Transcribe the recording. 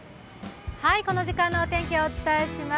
この時間のお天気、お伝えします。